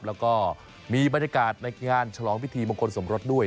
แล้วก็มีบรรยากาศในงานฉลองพิธีมงคลสมรสด้วย